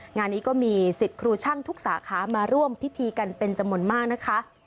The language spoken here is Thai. งานนี้ก็มีสิทธิ์ครูช่างทุกสาขามาร่วมพิธีกันเป็นจำนวนมากนะคะ